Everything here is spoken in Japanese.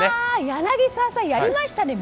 柳澤さん、やりましたね。